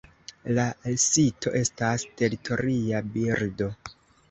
La sito estas teritoria birdo.